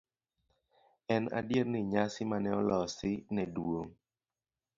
en adier ni nyasi mane olosi ne dwong'